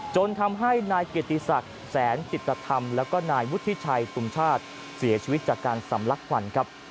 จนทำให้นายเกียรติศักดิ์แสนจิตธรรมแล้วก็นายวุฒิชัยคุมชาติเสียชีวิตจากการสำลักควันครับ